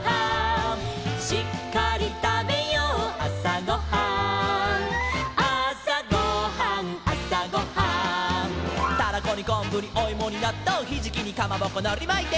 「しっかりたべようあさごはん」「あさごはんあさごはん」「タラコにこんぶにおいもになっとう」「ひじきにかまぼこのりまいて」